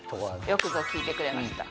よくぞ聞いてくれました。